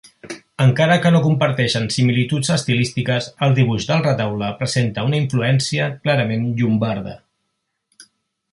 Encara que no comparteixen similituds estilístiques, el dibuix del retaule presenta una influència clarament llombarda.